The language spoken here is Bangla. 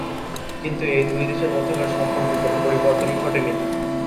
কিন্তু এই দুই দেশের মধ্যকার সম্পর্কের কোন পরিবর্তন ঘটে নি।